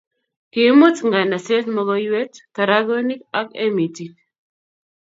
Kiimut nganaset mokoiywet, tarakonik ak emitik